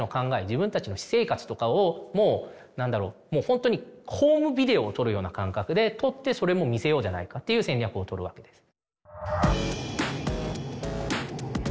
自分たちの私生活とかをもう何だろもうほんとにホームビデオを撮るような感覚で撮ってそれも見せようじゃないかっていう戦略をとるわけです。